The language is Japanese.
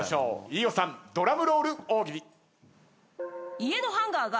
飯尾さんドラムロール大喜利。